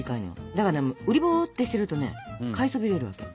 だからうりぼってしてるとね買いそびれるわけよ。